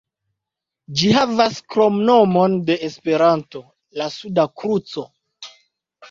Ĝi havas kromnomon de Esperanto, "La Suda Kruco".